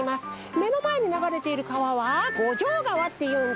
めのまえにながれている川は五条川っていうんだよ。